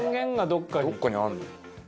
どっかにあるの？